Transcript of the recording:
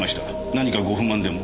何かご不満でも？